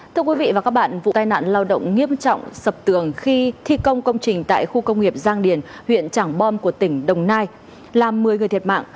thưa quý vị và các bạn vụ tai nạn lao động nghiêm trọng sập tường khi thi công công trình tại khu công nghiệp giang điền huyện trảng bom của tỉnh đồng nai làm một mươi người thiệt mạng